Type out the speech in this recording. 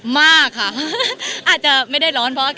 วาดกล้าใกล้มาก